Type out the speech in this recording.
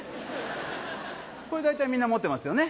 これ大体みんな持ってますよね